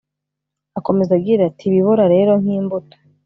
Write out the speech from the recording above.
Akomeza agira ati “Ibibora rero nk’imbuto